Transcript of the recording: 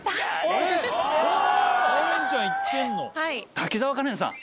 滝沢カレンさん。